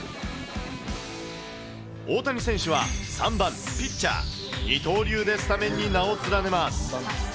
大谷選手は３番ピッチャー、二刀流でスタメンに名を連ねます。